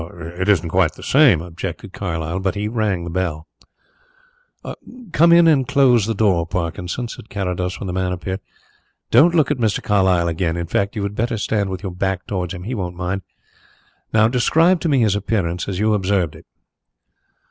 "It isn't quite the same," objected Carlyle, but he rang the bell. "Come in and close the door, Parkinson," said Carrados when the man appeared. "Don't look at Mr. Carlyle again in fact, you had better stand with your back towards him, he won't mind. Now describe to me his appearance as you observed it."